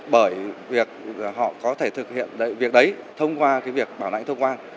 bởi việc họ có thể thực hiện việc đấy thông qua việc bảo lãnh thông quan